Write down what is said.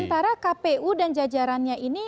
karena kpu dan jajarannya ini